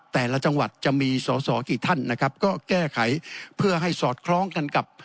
แต่ละจังหวัดจะมีสอสอกี่ท่านนะครับก็แก้ไขเพื่อให้สอดคล้องกันกับ